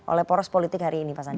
oleh poros politik hari ini pak sandi